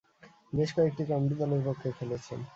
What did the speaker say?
বেশ কয়েকটি কাউন্টি দলের পক্ষে খেলেছেন।